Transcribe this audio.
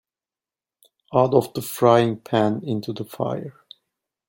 Out of the frying pan into the fire.